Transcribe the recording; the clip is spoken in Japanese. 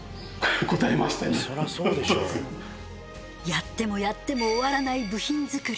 やってもやっても終わらない部品作り。